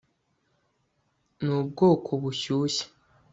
nubwoko bushyushye